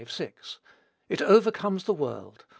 v. 6;) it overcomes the world.